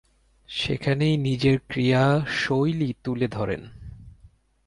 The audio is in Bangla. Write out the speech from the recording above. সেখানেই নিজের ক্রীড়াশৈলী তুলে ধরেন।